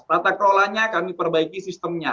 tata kelolanya kami perbaiki sistemnya